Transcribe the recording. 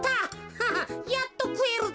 ハハッやっとくえるぜ。